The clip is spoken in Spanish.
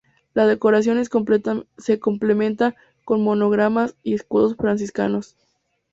La decoración se complementa con monogramas y escudos franciscanos.